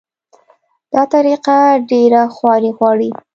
دا طریقه ډېره خواري غواړي.